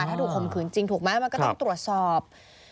ถ้าถูกข่มขืนจริงถูกไหมมันก็ต้องตรวจสอบ